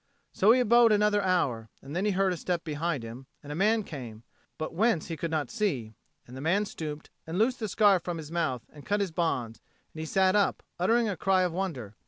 So he abode another hour, and then he heard a step behind him, and a man came, but whence he could not see; and the man stooped and loosed the scarf from his mouth and cut his bonds, and he sat up, uttering a cry of wonder.